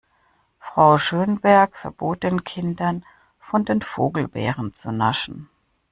Frau Schönberg verbot den Kindern, von den Vogelbeeren zu naschen.